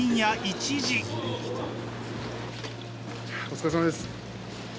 お疲れさまです。